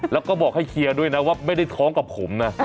แล้วก็บอกให้เคลียร์ด้วยนะว่าไม่ได้ท้องกับผมนะ